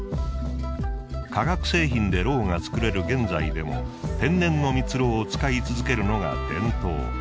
化学製品でロウが作れる現在でも天然のミツロウを使い続けるのが伝統。